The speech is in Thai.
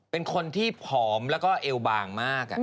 เป็นคนที่ผอมแล้วก็เอวบางมาก